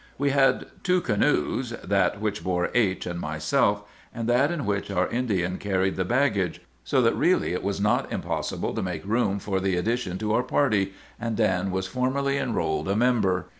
We had two canoes,—that which bore H—— and myself, and that in which our Indian carried the baggage; so that really it was not impossible to make room for the addition to our party, and Dan was formally enrolled a member.